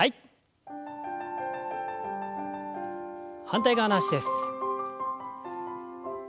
反対側の脚です。